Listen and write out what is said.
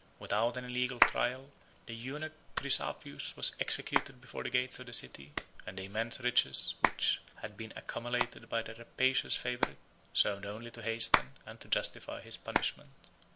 Without any legal trial, the eunuch Chrysaphius was executed before the gates of the city; and the immense riches which had been accumulated by the rapacious favorite, served only to hasten and to justify his punishment.